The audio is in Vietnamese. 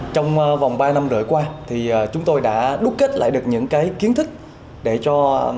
trong vòng ba năm rưỡi qua thì chúng tôi đã đúc kết lại được những cái kiến thức để cho đội nhóm chúng tôi có thể lập ra một cái bộ giáo trình